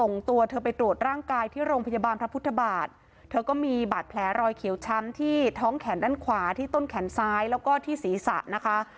นั่งสายฝนแจ้งความแล้วนะคะที่สอพพระพุทธบาทนะคะ